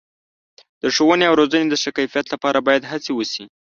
د ښوونې او روزنې د ښه کیفیت لپاره باید هڅې وشي.